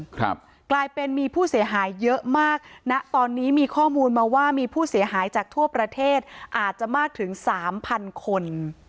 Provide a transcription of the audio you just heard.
กลายเป็นมีผู้เสียหายเยอะมากณตอนนี้มีข้อมูลมาว่ามีผู้เสียหายจากทั่วประเทศอาจจะมากถึงสามพันคน